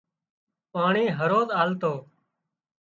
پاڻي هروز آلتو